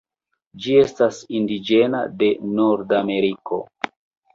Ĝi estas indiĝena de Nordameriko.